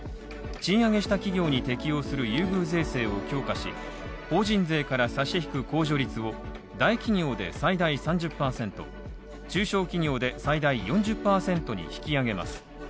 賃上げした企業に適用する優遇税制を強化し、法人税から差し引く控除率を大企業で最大３０％、中小企業で最大４０％に引き上げます。